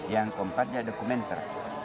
yang keempatnya dokumenter